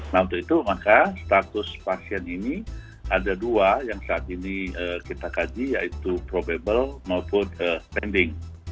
nah untuk itu maka status pasien ini ada dua yang saat ini kita kaji yaitu probable maupun spending